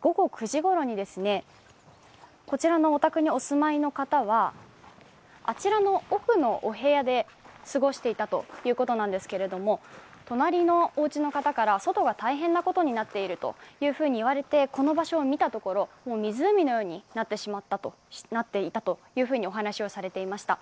午後９時ごろにこちらのお宅にお住まいの方はあちらの奥のお部屋で過ごしていたということなんですけれども、隣のおうちの方から、外が大変なことになっていると言われてこの場所を見たところもう湖のようになっていたとお話をされていました。